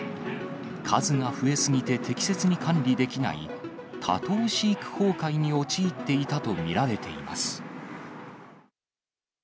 数が増え過ぎて、適切に管理できない多頭飼育崩壊に陥っていたと見られています。